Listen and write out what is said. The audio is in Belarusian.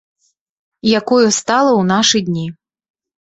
Якою стала ў нашы дні.